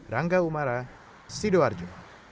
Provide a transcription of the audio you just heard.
rangga umara sidoarjo